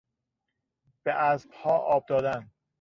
به اسبها آب دادن